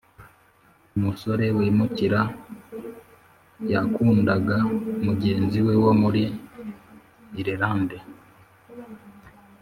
umusore wimukira, yakundaga mugenzi we wo muri irlande